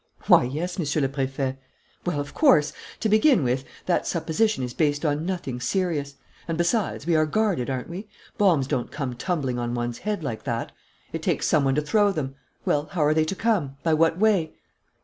"Why, yes, Monsieur le Préfet." "Well, of course! To begin with, that supposition is based on nothing serious. And, besides, we are guarded, aren't we? Bombs don't come tumbling on one's head like that. It takes some one to throw them. Well, how are they to come? By what way?"